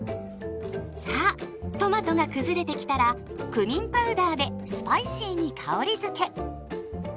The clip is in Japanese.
さあトマトが崩れてきたらクミンパウダーでスパイシーに香りづけ。